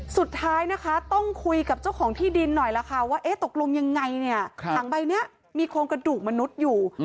สุดท้ายนะคะต้องคุยกับเจ้าของที่ดินหน่อยล่ะค่ะว่าตกลงยังไงเนี่ยถังใบนี้มีโครงกระดูกมนุษย์อยู่